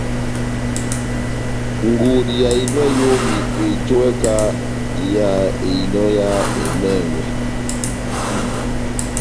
Ngudi ya ehinɔ ya eyomi ehitiwɛ kahá yá ehinɔ yá emɛngwɛ